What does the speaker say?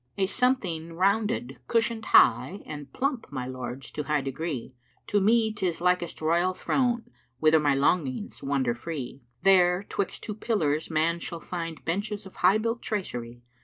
A something rounded, cushioned high * And plump, my lords, to high degree: To me 'tis likest royal throne * Whither my longings wander free; There 'twixt two pillars man shall find * Benches of high built tracery.